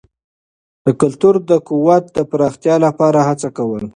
د کلتور د قوت د پراختیا لپاره هڅه کول.